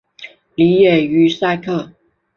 里耶于塞克。